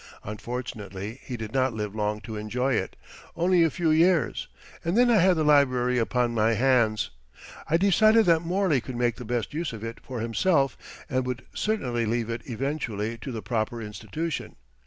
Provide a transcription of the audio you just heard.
Unfortunately, he did not live long to enjoy it only a few years and then I had the library upon my hands. I decided that Morley could make the best use of it for himself and would certainly leave it eventually to the proper institution.